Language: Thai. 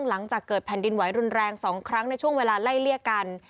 หลังจากเกิดแผ่นดินไหวรุนแรง๒ครั้งในช่วงเวลาไล่เลี่ยกัน